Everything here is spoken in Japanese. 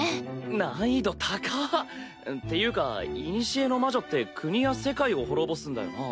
難易度高っ！っていうか古の魔女って国や世界を滅ぼすんだよな？